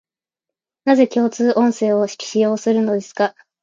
なぜ共通音声を使用するのですか